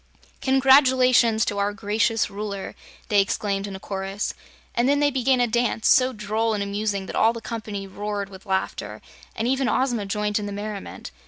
"Congratulations to our gracious Ruler!" they exclaimed in a chorus, and then they began a dance, so droll and amusing that all the company roared with laughter and even Ozma joined in the merriment.